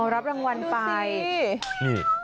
รับรางวัลไป